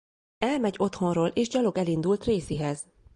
Elmegy otthonról és gyalog elindul Tracyhez.